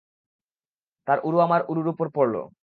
তার উরু আমার উরুর উপর পড়ল।